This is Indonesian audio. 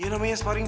udah capek kan